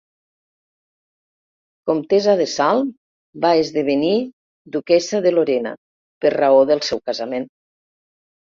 Comtessa de Salm va esdevenir duquessa de Lorena per raó del seu casament.